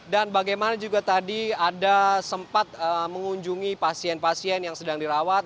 dan bagaimana juga tadi ada sempat mengunjungi pasien pasien yang sedang dirawat